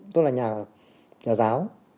tôi là nhà giáo